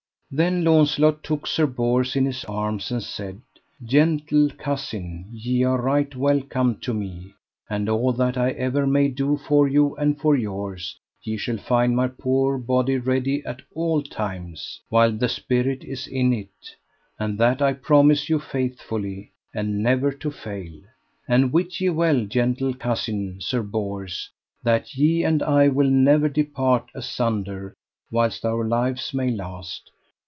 Then Launcelot took Sir Bors in his arms, and said: Gentle cousin, ye are right welcome to me, and all that ever I may do for you and for yours ye shall find my poor body ready at all times, while the spirit is in it, and that I promise you faithfully, and never to fail. And wit ye well, gentle cousin, Sir Bors, that ye and I will never depart asunder whilst our lives may last.